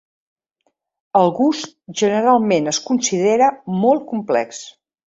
El gust generalment es considera molt complex.